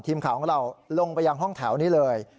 ทีมข่าวของเราลงไปยังห้องแถวนี้เลย